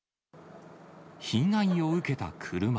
被害を受けた車。